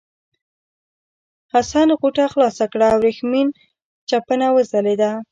حسن غوټه خلاصه کړه او ورېښمین چپنه وځلېده.